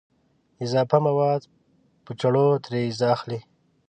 اضافه مواد په چړو ترې اخلي.